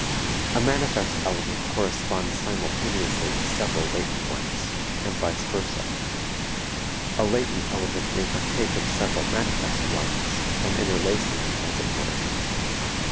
A manifest element corresponds simultaneously to several latent ones, and vice versa, a latent element may partake of several manifest ones, an interlacing, as it were.